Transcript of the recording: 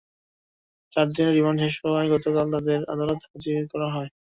চার দিনের রিমান্ড শেষ হওয়ায় গতকাল তাঁদের আদালতে হাজির করা হয়।